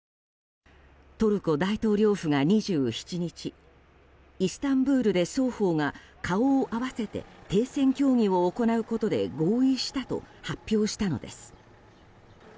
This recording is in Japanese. トルコ大統領府が２７日イスタンブールで双方が顔を合わせて停戦協議を行うことで合意したと発表したのです。